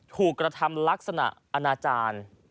ถูกกระทำลักษณะอนาจารย์